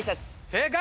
正解。